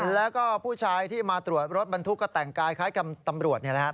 แล้วก็ผู้ชายที่มาตรวจรถบรรทุกก็แต่งกายคล้ายกับตำรวจเนี่ยนะครับ